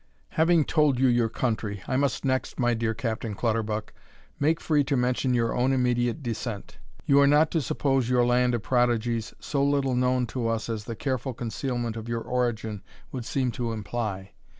Having told you your country, I must next, my dear Captain Clutterbuck, make free to mention your own immediate descent. You are not to suppose your land of prodigies so little known to us as the careful concealment of your origin would seem to imply.